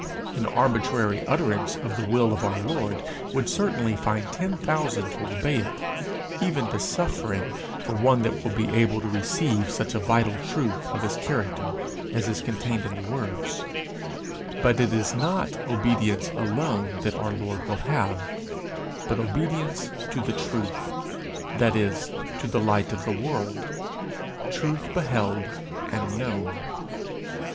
An arbitrary utterance of the will of our Lord would certainly find ten thousand to obey it, even to suffering, for one that will be able to receive such a vital truth of his character as is contained in the words; but it is not obedience alone that our Lord will have, but obedience to the truth, that is, to the Light of the World, truth beheld and known.